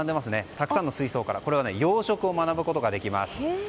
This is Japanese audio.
たくさんの水槽から養殖を学ぶことができます。